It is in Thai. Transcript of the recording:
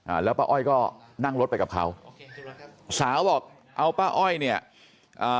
อ่าแล้วป้าอ้อยก็นั่งรถไปกับเขาสาวบอกเอาป้าอ้อยเนี่ยอ่า